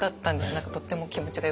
何かとっても気持ちがよくて。